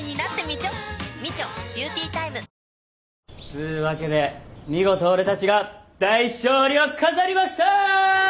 つうわけで見事俺たちが大勝利を飾りました！